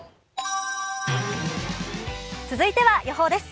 続いては予報です。